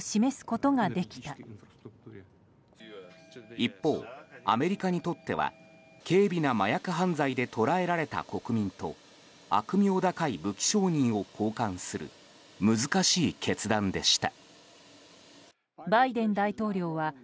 一方、アメリカにとっては軽微な麻薬犯罪で捕らえられた国民と悪名高い武器商人を交換する難しい決断でした。